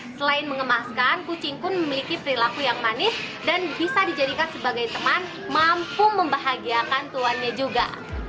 selain mengemaskan kucing pun memiliki perilaku yang manis dan bisa dijadikan sebagai teman mampu membahagiakan tuannya juga